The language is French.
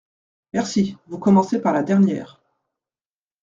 Merci, vous commencez par la dernière.